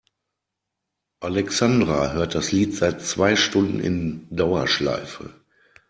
Alexandra hört das Lied seit zwei Stunden in Dauerschleife.